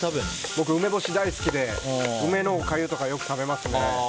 僕、梅干し大好きで梅のおかゆとかよく食べますね。